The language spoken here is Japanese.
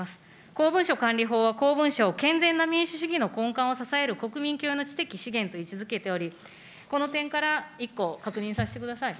公文書管理法は、公文書を健全な民主主義の根幹を支える国民共有の知的資源と位置づけており、この点から、１個確認させてください。